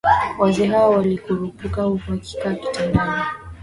Wazee hao walikurupuka huku wakikaa kitandani